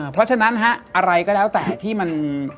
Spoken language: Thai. เพราะฉะนั้นอะไรก็แล้วแต่ที่มัน